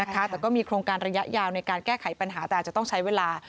แต่ก็มีโครงการระยะยาวในการแก้ไขปัญหาแต่อาจจะต้องใช้เวลา